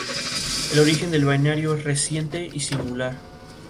Plantas bisexuales, con espigas bisexuales; espiguilla hermafroditas.